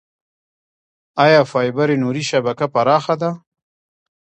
آیا فایبر نوري شبکه پراخه ده؟